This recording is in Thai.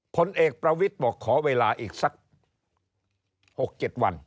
ผลเอกประวิทย์บอกขอเวลาอีกสัก๖๗วัน